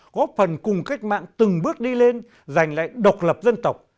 góp phần cùng cách mạng từng bước đi lên giành lại độc lập dân tộc